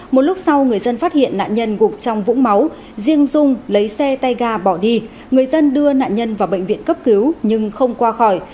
một lúc sau người dân phát hiện nạn nhân gục trong vũng máu riêng dung lấy xe tay ga bỏ đi người dân đưa nạn nhân vào bệnh viện cấp cứu nhưng không qua khỏi